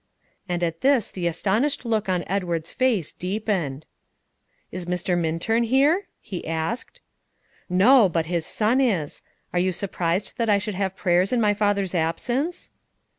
And at this the astonished look on Edward's face deepened. "Is Mr. Minturn here?" he asked. "No; but his son is. Are you so surprised that I should have prayers in my father's absence?"